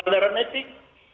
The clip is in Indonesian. yang melanggaran etik